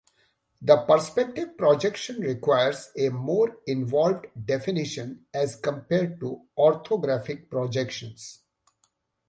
The perspective projection requires a more involved definition as compared to orthographic projections.